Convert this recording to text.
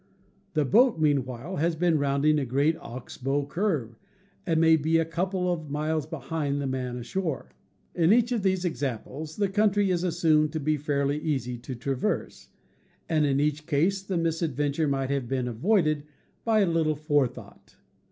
The boat, meanwhile, has been rounding a great ox bow curve, and may be a couple of miles behind the man ashore. Fig. 14. 212 CAMPING AND WOODCRAFT In each of these examples the country is assumed to be fairly easy to traverse, and in each case the mis adventure might have been avoided by a little fore thought.